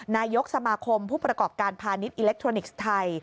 นายกสมาคมผู้ประกอบการพาณิชยอิเล็กทรอนิกส์ไทย